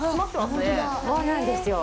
そうなんですよ